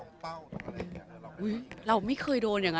บางทีเค้าแค่อยากดึงเค้าต้องการอะไรจับเราไหล่ลูกหรือยังไง